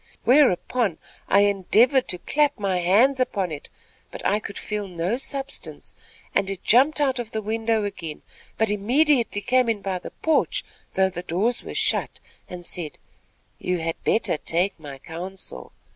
"Whereupon, I endeavored to clap my hands upon it; but I could feel no substance; and it jumped out of the window again; but it immediately came in by the porch, though the doors were shut, and said: "'You had better take my counsel.'